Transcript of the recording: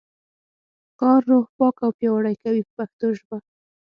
کار روح پاک او پیاوړی کوي په پښتو ژبه.